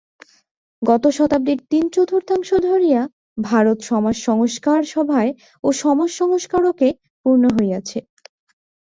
গত শতাব্দীর তিন-চতুর্থাংশ ধরিয়া ভারত সমাজসংস্কার-সভায় ও সমাজসংস্কারকে পূর্ণ হইয়াছে।